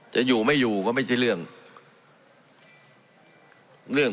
จะอยู่ไม่อยู่ก็ไม่ใช่เรื่องเรื่อง